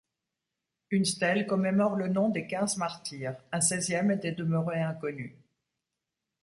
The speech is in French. Une stèle commémore le nom des quinze martyrs, un seizième était demeuré inconnu.